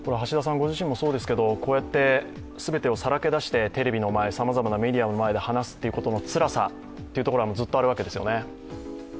ご自身もそうですけど、こうやって全てをさらけ出して、テレビの前、さまざまなメディアの前で話すというところのつらさは、ずっとあるわけですよね。